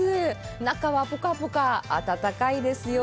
中はポカポカ、暖かいですよ。